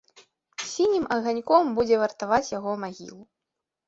Сінім аганьком будзе вартаваць яго магілу.